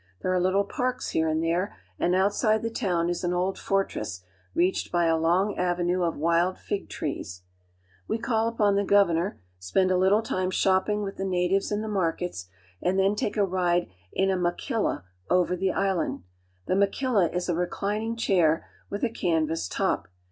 There are little parks here and there, and outside the town is an old fortress reached by a long avenue of wild fig trees. We call upon the governor, spend a httle time shopping with the natives in the markets, and then take a ride in a machiUa over the island. The machilla is a reclining chair with a canvas top.